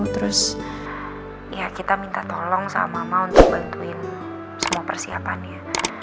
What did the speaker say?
terus ya kita minta tolong sama mama untuk bantuin semua persiapannya